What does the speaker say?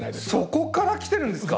そこからきてるんですか？